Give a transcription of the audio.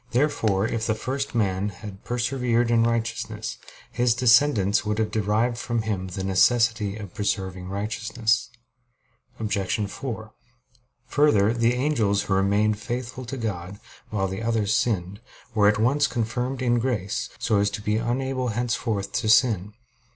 Therefore, if the first man had persevered in righteousness, his descendants would have derived from him the necessity of preserving righteousness. Obj. 4: Further, the angels who remained faithful to God, while the others sinned, were at once confirmed in grace, so as to be unable henceforth to sin.